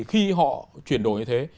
khi họ chuyển đổi như thế